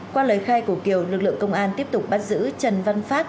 qua lời khai của kiều lực lượng công an tiếp tục bắt giữ trần văn phát